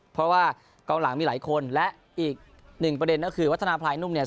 เพราะว่ากองหลังมีหลายคนและอีกหนึ่งประเด็นก็คือวัฒนาพลายนุ่มเนี่ย